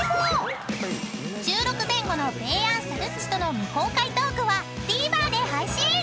［収録前後のべーやんさるっちとの未公開トークはＴＶｅｒで配信］